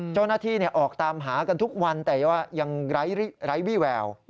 เจ้าหน้าที่ออกตามหากันทุกวันแต่ว่ายังไร้วี่แวว